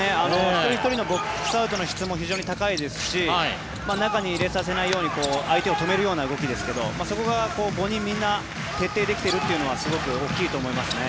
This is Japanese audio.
一人ひとりのボックスアウトの質も非常に高いですし中に入れさせないように相手を止めるような動きですがそこが５人みんな徹底できているのはすごく大きいと思いますね。